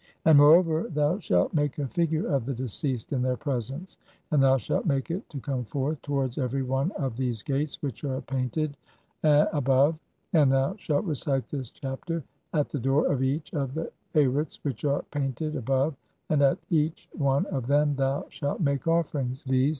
AND MOREOVER, THOU SHALT MAKE A FIGURE OF THE DECEASED IN THEIR PRESENCE, AND THOU SHALT MAKE IT TO COME FORTH TOWARDS EVERY ONE OF (24) THESE GATES WHICH ARE PAINTED (ABOVE]. AND THOU SHALT RECITE THIS CHAPTER AT THE DOOR OF EACH OF THE ARITS WHICH ARE PAINTED [ABOVE], AND AT EACH ONE OF THEM THOU SHALT MAKE OFFERINGS, VIZ.